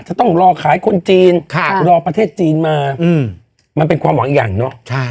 จะต้องรอขายคนจีนรอประเทศจีนมามันเป็นความหวังอีกอย่างเนอะ